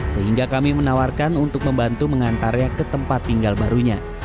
sehingga kami menawarkan untuk membantu mengantarnya ke tempat tinggal barunya